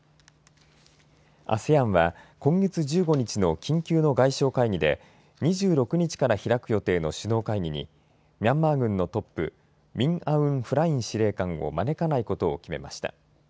ＡＳＥＡＮは今月１５日の緊急の外相会議で２６日から開く予定の首脳会議にミャンマー軍のトップ、ミン・アウン・フライン司令官を招かないことを決めました。